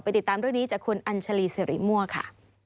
ไปติดตามด้วยนี้จากคุณอัญชาลีเสริมัวค่ะ